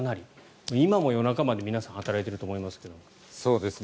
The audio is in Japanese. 今も夜中まで皆さん働いていると思いますが。